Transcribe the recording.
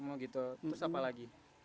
mau gitu terus apa lagi